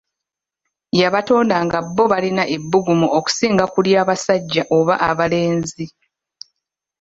Yabatonda nga bo balina ebbugumu okusinga ku lya basajja oba abalenzi.